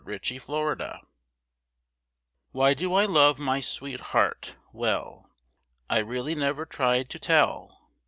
WHY I LOVE HER Why do I love my sweetheart? Well I really never tried to tell.